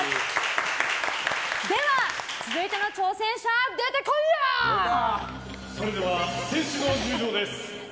では、続いての挑戦者それでは選手の入場です。